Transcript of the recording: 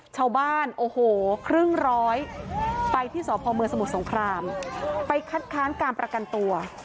ชาวบ้านโอ้โหครึ่งร้อยไปที่สพเมืองสมุทรสงครามไปคัดค้านการประกันตัว